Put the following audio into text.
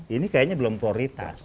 ini kayaknya belum prioritas